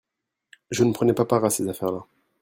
je ne prenais pas part à ces affaires-là.